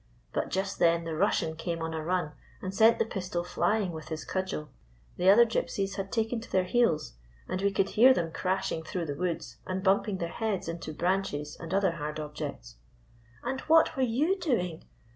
But just then the Russian came on a run, and sent the pistol flying with his cud gel. The other Gypsies had taken to their heels, and we could hear them crashing through the woods and bumping their heads into branches and other hard objects." "And what were you doing